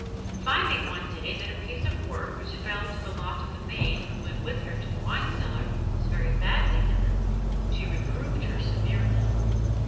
Finding one day that a piece of work which fell to the lot of the maid who went with her to the wine cellar was very badly done, she reproved her severely.